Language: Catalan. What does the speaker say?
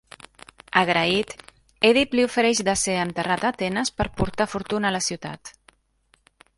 Agraït, Èdip li ofereix de ser enterrat a Atenes per portar fortuna a la ciutat.